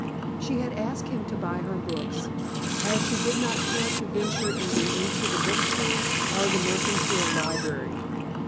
She had asked him to buy her books, as she did not care to venture either into the bookstores or the Mercantile Library.